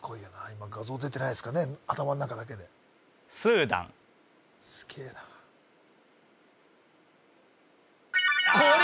今画像出てないですからね頭の中だけですげえなああ